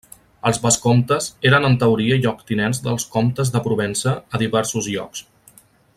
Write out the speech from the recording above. Els vescomtes eren en teoria lloctinents dels comtes de Provença a diversos llocs.